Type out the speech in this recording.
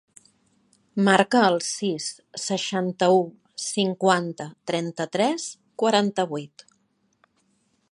Marca el sis, seixanta-u, cinquanta, trenta-tres, quaranta-vuit.